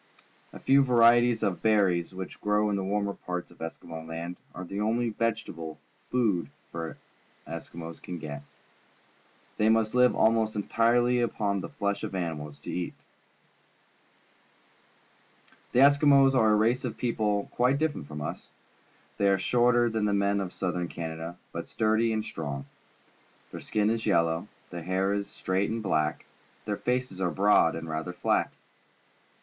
A few varieties of berries, which grow in the warmer pai'ts of Eskimo Land, are the only vegetable food the Eski mos can get. They must live almost entirely upon the flesh of animals and fish. The Eskimos are a race of people quite different from us. They are shorter than the men of Southern Canada, but sturdj' and strong. Their skin is yellow, their hair is straight and black, their faces are broad and rather flat.